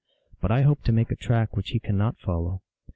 But I hope to make a track which he cannot follow.